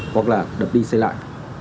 hoặc là đập đi xây lại